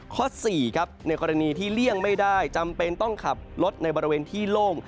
ข้อ๔ครับในกรณีที่เลี่ยงไม่ได้จำเป็นต้องขับรถในบริเวณที่โล่ง